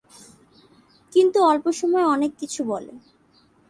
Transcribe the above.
কিন্তু অল্প সময়েই অনেক কিছু বলে।